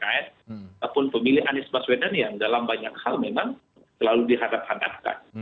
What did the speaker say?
ataupun pemilih anies baswedan yang dalam banyak hal memang selalu dihadap hadapkan